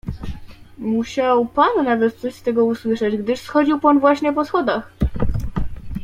"Musiał pan nawet coś z tego usłyszeć, gdyż schodził pan właśnie po schodach."